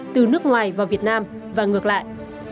từ nước ngoài vào việt nam và ngược lại